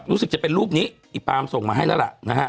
รู้สึกจะเป็นรูปนี้อีปรามส่งมาที่แล้วล่ะ